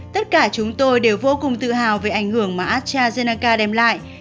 tất cả chúng tôi đều vô cùng tự hào về ảnh hưởng mà astrazeneca đem lại